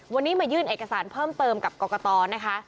วันนี้มายื่นเอกสารเพิ่มเติมกับกรกตนะคะ